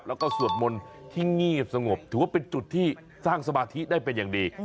แล้วก็สวดมนต์ที่เงียบสงบถือว่าเป็นจุดที่สร้างสมาธิได้เป็นอย่างดี